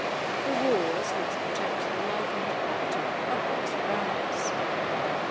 _, the rules which protect the life and property of those around us.